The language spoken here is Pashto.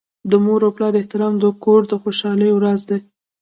د مور پلار احترام د کور د خوشحالۍ راز دی.